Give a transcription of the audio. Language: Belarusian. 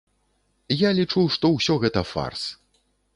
Я лічу, што ўсё гэта фарс.